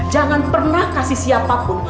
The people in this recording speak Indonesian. jangan pernah kasih siapapun